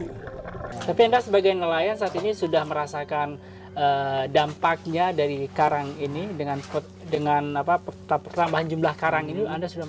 tapi anda sebagai nelayan saat ini sudah merasakan dampaknya dari karang ini dengan pertambahan jumlah karang ini